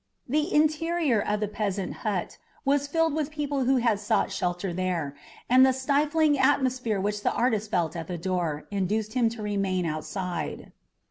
The interior of the peasant hut was filled with people who had sought shelter there, and the stifling atmosphere which the artist felt at the door induced him to remain outside.